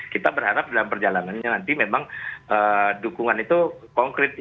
kita berharap dalam perjalanannya nanti memang dukungan itu konkret